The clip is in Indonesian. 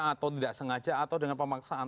atau tidak sengaja atau dengan pemaksaan